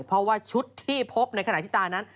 เพราะว่าชุดที่พบในขณะที่ตานั้น